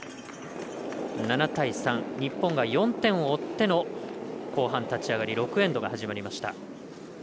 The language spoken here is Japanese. ７対３、日本は４点を追っての後半、立ち上がり６エンドが始まりました。